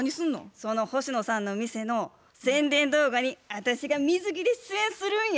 その星野さんの店の宣伝動画に私が水着で出演するんや。